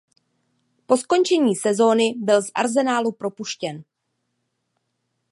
Po skončení sezony byl z Arsenalu propuštěn.